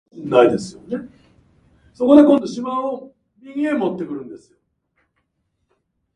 好き